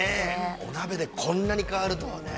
◆お鍋でこんなに変わるとはね。